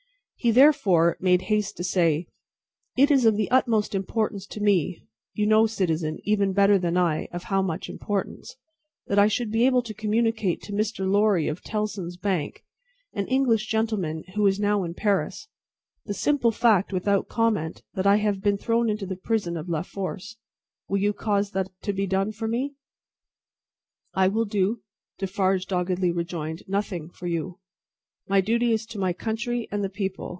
He, therefore, made haste to say: "It is of the utmost importance to me (you know, Citizen, even better than I, of how much importance), that I should be able to communicate to Mr. Lorry of Tellson's Bank, an English gentleman who is now in Paris, the simple fact, without comment, that I have been thrown into the prison of La Force. Will you cause that to be done for me?" "I will do," Defarge doggedly rejoined, "nothing for you. My duty is to my country and the People.